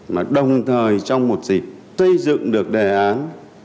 mà đồng thời trong một dịp xây dựng được đề án